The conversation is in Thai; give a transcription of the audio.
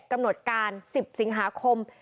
กำหนดการ๑๐สิงหาคม